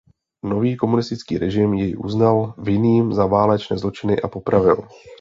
Nový komunistický režim jej uznal vinným za válečné zločiny a popravil.